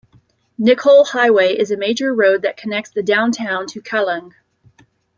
Nicoll Highway is a major road that connects the downtown to Kallang.